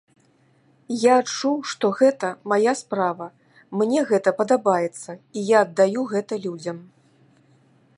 Я адчуў, што гэта мая справа, мне гэта падабаецца, і я аддаю гэта людзям.